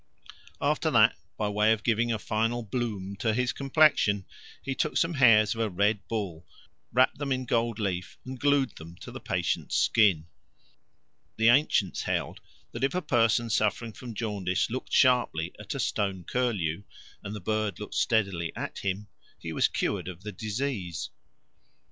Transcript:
After that, by way of giving a final bloom to his complexion, he took some hairs of a red bull, wrapt them in gold leaf, and glued them to the patient's skin. The ancients held that if a person suffering from jaundice looked sharply at a stone curlew, and the bird looked steadily at him, he was cured of the disease.